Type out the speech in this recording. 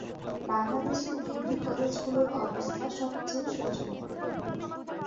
বাংলাদেশের ডিগ্রি কলেজগুলোর অবস্থা সবচেয়ে শোচনীয়।